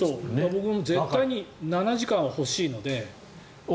僕も絶対に７時間は欲しいので。